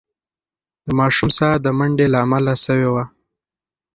د ماشوم ساه د منډې له امله سوې وه.